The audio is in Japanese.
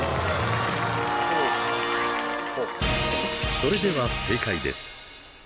それでは正解です。